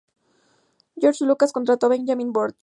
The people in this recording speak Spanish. George Lucas contrató a Benjamin Burtt, Jr.